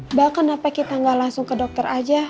mbak kenapa kita nggak langsung ke dokter aja